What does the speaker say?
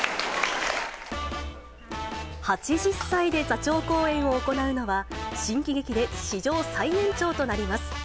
８０歳で座長公演を行うのは、新喜劇で史上最年長となります。